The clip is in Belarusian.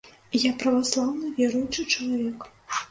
Я праваслаўны, веруючы чалавек.